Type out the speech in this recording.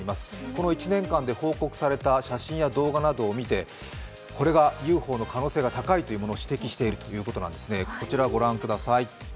この１年間で報告された写真や動画などを見てこれがＵＦＯの可能性が高いというものを指摘しているということです。